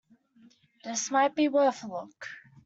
This might be worth a look.